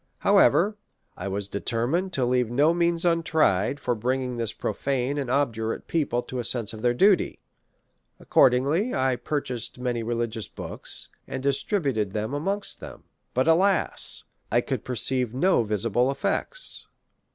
However, I was determined to leave no means untried for bringing this profane and obdu rate people to a sense of their duty ; accordingly, I purchased many religious books, and distributed them amongst them ; but, alas ! I could perceive no visible effects.